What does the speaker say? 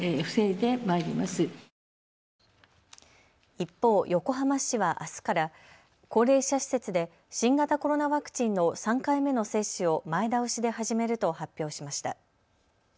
一方、横浜市はあすから高齢者施設で新型コロナワクチンの３回目の接種を前倒しで始めると発表しました。